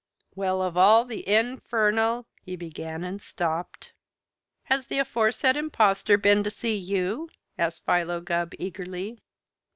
"Well, of all the infernal " he began and stopped. "Has the aforesaid impostor been to see you?" asked Philo Gubb eagerly.